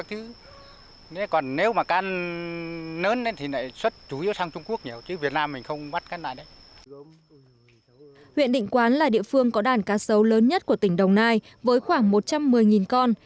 huyện định quán là địa phương có đàn cá sấu lớn nhất của tỉnh đồng nai với khoảng một trăm một mươi con